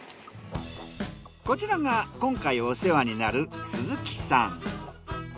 こちらが今回お世話になる鈴木さん。